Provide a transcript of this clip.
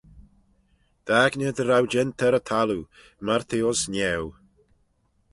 Dt'aigney dy row jeant er y thalloo, myr t'eh ayns niau.